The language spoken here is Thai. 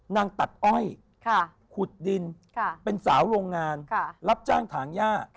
นางตัดอ้อยขุดดินเป็นสาวโรงงานรับจ้างถางย่า